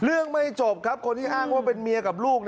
ไม่จบครับคนที่อ้างว่าเป็นเมียกับลูก